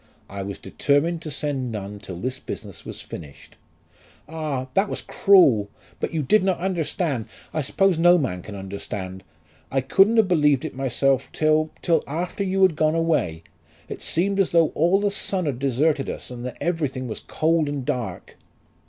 "I was determined to send none till this business was finished." "Ah! that was cruel. But you did not understand. I suppose no man can understand. I couldn't have believed it myself till till after you had gone away. It seemed as though all the sun had deserted us, and that everything was cold and dark."